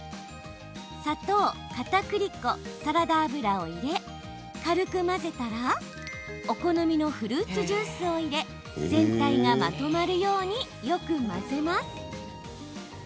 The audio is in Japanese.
砂糖、かたくり粉サラダ油を入れ、軽く混ぜたらお好みのフルーツジュースを入れ全体がまとまるようによく混ぜます。